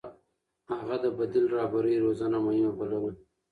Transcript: هغه د بديل رهبرۍ روزنه مهمه بلله.